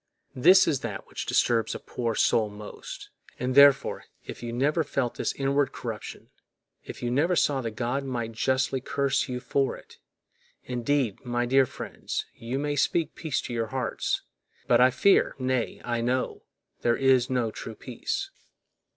This is that which disturbs a poor soul most. And, therefore, if you never felt this inward corruption, if you never saw that God might justly curse you for it, indeed, my dear friends, you may speak peace to your hearts, but I fear, nay, I know, there is no true peace.